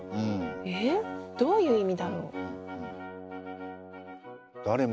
どういう意味だろう？